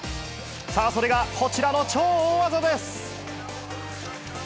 さあ、それがこちらの超大技です。